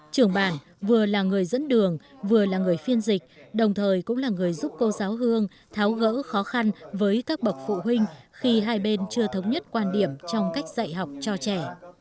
trường bản vừa là người dẫn đường vừa là người phiên dịch đồng thời cũng là người giúp cô giáo hương tháo gỡ khó khăn với các bậc phụ huynh khi hai bên chưa thống nhất quan điểm trong cách dạy học cho trẻ